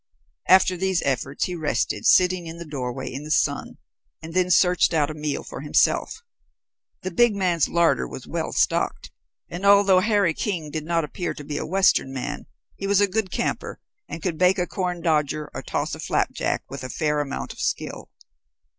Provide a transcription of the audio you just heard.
After these efforts he rested, sitting in the doorway in the sun, and then searched out a meal for himself. The big man's larder was well stocked, and although Harry King did not appear to be a western man, he was a good camper, and could bake a corn dodger or toss a flapjack with a fair amount of skill.